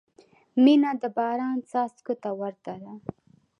• مینه د باران څاڅکو ته ورته ده.